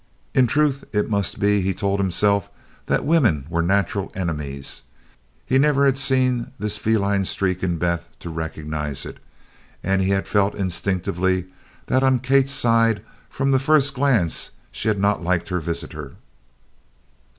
In truth, it must be, he told himself, that women were natural enemies. He never had seen this feline streak in Beth to recognize it, and he had felt instinctively that, on Kate's side, from the first glance she had not liked her visitor.